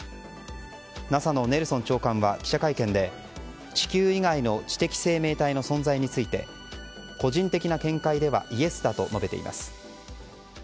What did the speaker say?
ＮＡＳＡのネルソン長官は記者会見で地球以外の知的生命体の存在について個人的な見解ではイエスだと述べています。